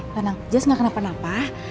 tenang just gak kena penapa